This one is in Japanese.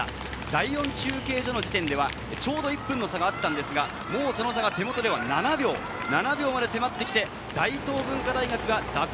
第４中継所の時点ではちょうど１分の差があったんですが、もうその差が手元では７秒まで迫って、大東文化大学が打倒